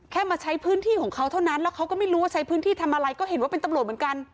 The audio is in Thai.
มาใช้พื้นที่ของเขาเท่านั้นแล้วเขาก็ไม่รู้ว่าใช้พื้นที่ทำอะไรก็เห็นว่าเป็นตำรวจเหมือนกัน